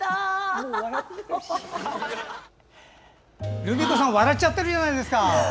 ルミ子さん笑っちゃってるじゃないですか！